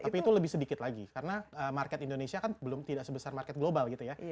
tapi itu lebih sedikit lagi karena market indonesia kan belum tidak sebesar market global gitu ya